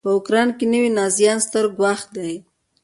په اوکراین کې نوي نازیان ستر ګواښ دی.